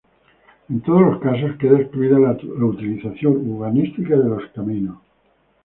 En todos los casos queda excluida la utilización urbanística de los caminos.